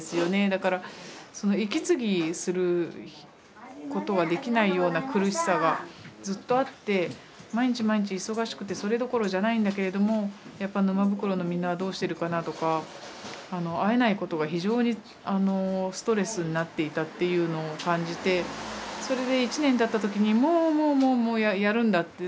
だから息継ぎすることができないような苦しさがずっとあって毎日毎日忙しくてそれどころじゃないんだけれどもやっぱ沼袋のみんなはどうしてるかなとか会えないことが非常にストレスになっていたっていうのを感じてそれで１年たった時にもうもうもうやるんだって。